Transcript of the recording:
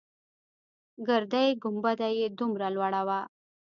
ګردۍ گنبده يې دومره لوړه وه.